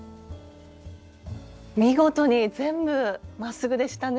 見事に全部まっすぐでしたね。